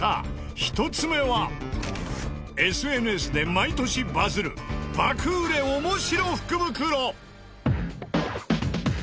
１つ目はＳＮＳで毎年バズる爆売れオモシロ福袋。